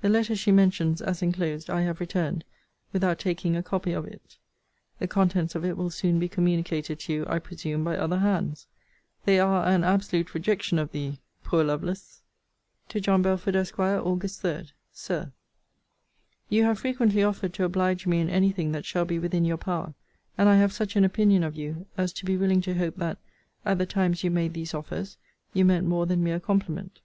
The letter she mentions, as enclosed,* I have returned, without taking a copy of it. The contents of it will soon be communicated to you, I presume, by other hands. They are an absolute rejection of thee Poor Lovelace! * See Miss Harlowe's Letter, No. LXVIII. TO JOHN BELFORD, ESQ. AUG. 3. SIR, You have frequently offered to oblige me in any thing that shall be within your power: and I have such an opinion of you, as to be willing to hope that, at the times you made these offers, you meant more than mere compliment.